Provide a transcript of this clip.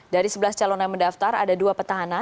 dari sebelas calon yang mendaftar ada dua petahana